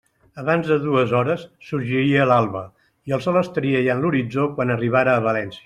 Abans de dues hores sorgiria l'alba i el sol estaria ja en l'horitzó quan arribara a València.